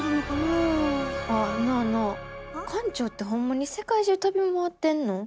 あなぁなぁ館長ってほんまにせかい中とび回ってんの？